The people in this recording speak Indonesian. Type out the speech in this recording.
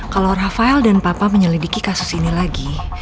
kalau rafael dan papa menyelidiki kasus ini lagi